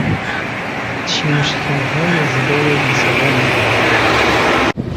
چین و شکنهای زیبای گیسوان او